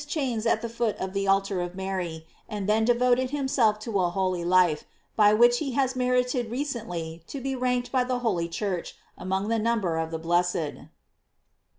chains at the foot of the altar of Mary, and then devoted himself to a holy life, by which he has merited recently to be ranked by the holy Church among the number of the blessed.